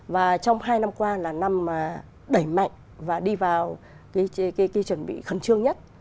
và trong hai năm qua là năm đẩy mạnh và đi vào chuẩn bị khẩn trương nhất